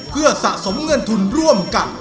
เพื่อสะสมเงินทุนร่วมกัน